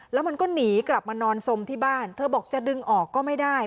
แล้วมันก็หนีกลับมานอนสมที่บ้านเธอบอกจะดึงออกก็ไม่ได้